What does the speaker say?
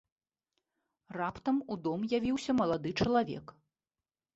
Раптам у дом явіўся малады чалавек.